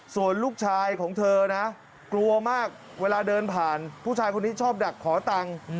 ส่วนลูกชายของเธอนะกลัวมากเวลาเดินผ่านผู้ชายคนนี้ชอบดักขอตังค์